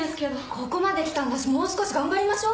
ここまで来たんだしもう少し頑張りましょう。